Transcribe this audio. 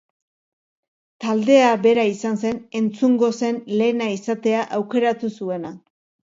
Taldea bera izan zen entzungo zen lehena izatea aukeratu zuena.